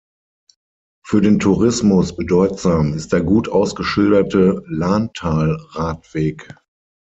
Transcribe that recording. Für den Tourismus bedeutsam ist der gut ausgeschilderte Lahntalradweg.